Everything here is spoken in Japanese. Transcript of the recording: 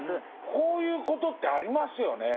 こういうことってありますよね。